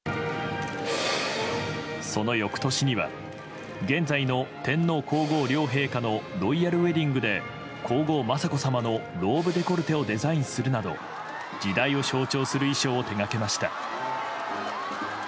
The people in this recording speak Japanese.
その翌年には現在の天皇・皇后両陛下のロイヤルウェディングで皇后・雅子さまのローブデコルテをデザインするなど時代を象徴する衣装を手がけました。